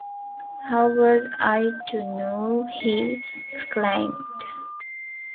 “How was I to know?” he exclaimed.